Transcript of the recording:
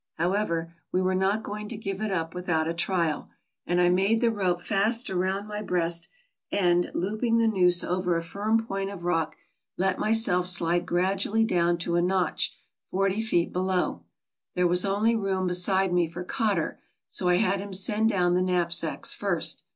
However, we were not going to give it up without a trial ; and I made the rope fast around my breast and, looping the noose over a firm point of rock, let myself slide gradually down to a notch forty feet below. There was only room beside me for Cotter, so I had him send down the knapsacks first.